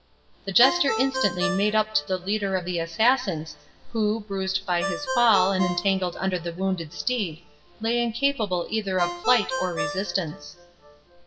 The Jester instantly made up to the leader of the assassins, who, bruised by his fall, and entangled under the wounded steed, lay incapable either of flight or resistance.